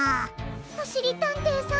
おしりたんていさん